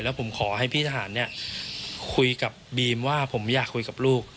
แล้วผมขอให้พี่ทหารเนี่ยคุยกับบีมว่าผมอยากคุยกับลูก